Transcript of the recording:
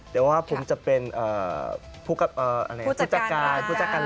แต่ว่าผมจะเป็นผู้จัดการร้าน